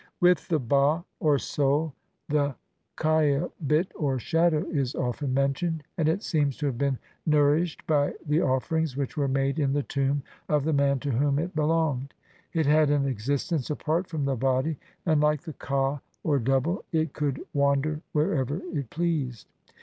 With the ba, or soul, the khaibit, or shadow, is often mentioned, and it seems to have been nourished by the offerings which were made in the tomb of the man to whom it belonged. It had an existence apart from the body, and like the ka, or double, it could wander wherever it pleased.